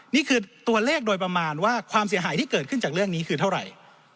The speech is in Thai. นี่คือตัวเลขโดยประมาณว่าความเสียหายที่เกิดขึ้นจากเรื่องนี้คือเท่าไหร่